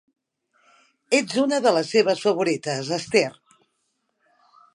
Ets una de les seves favorites, Esther.